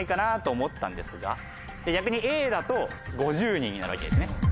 逆にＡだと５０人になるわけですね。